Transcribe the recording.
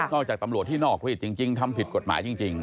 จากตำรวจที่นอกรีดจริงทำผิดกฎหมายจริง